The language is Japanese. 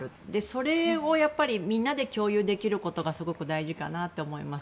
それをみんなで共有できることがすごく大事だなと思います。